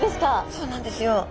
そうなんですよ。